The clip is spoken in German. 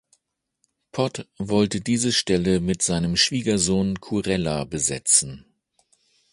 Pott wollte diese Stelle mit seinem Schwiegersohn Kurella besetzen.